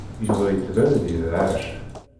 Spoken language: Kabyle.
Yuba yettban-d yedhec.